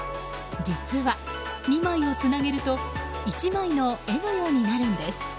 実は、２枚をつなげると１枚の絵のようになるんです。